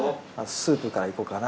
スープからいこうかな。